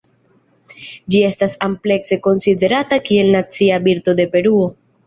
Ĝi estas amplekse konsiderata kiel nacia birdo de Peruo.